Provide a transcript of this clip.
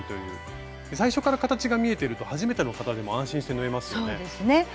最初から形が見えていると初めての方でも安心して縫えますよね。